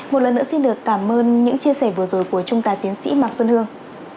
một lần nữa xin được cảm ơn những chia sẻ vừa rồi của trung tá tiến sĩ mạc xuân hương